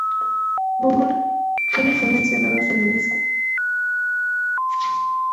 Bungle, quienes son mencionados en el disco.